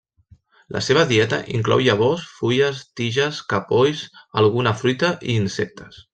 La seva dieta inclou llavors, fulles, tiges, capolls, alguna fruita i insectes.